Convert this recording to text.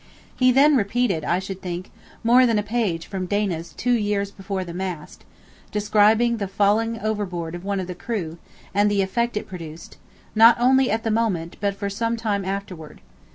He then repeated, I should think, more than a page from Dana's "Two Years Before the Mast," describing the falling overboard of one of the crew, and the effect it produced, not only at the moment, but for some time afterward.